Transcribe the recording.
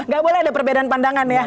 gak boleh ada perbedaan pandangan ya